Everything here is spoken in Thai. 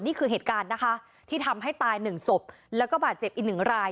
นี่คือเหตุการณ์นะคะที่ทำให้ตาย๑สบแล้วก็บาดเจ็บอีก๑ราย